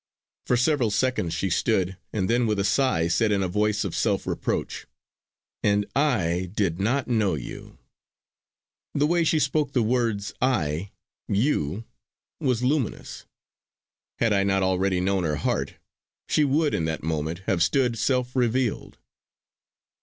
For several seconds she stood, and then with a sigh said in a voice of self reproach: "And I did not know you!" The way she spoke the words "I" "you" was luminous! Had I not already known her heart, she would in that moment have stood self revealed.